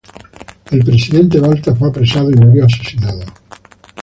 El presidente Balta fue apresado y murió asesinado.